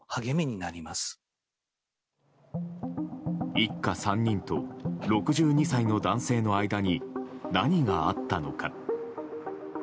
一家３人と６２歳の男性の間に何があったのか。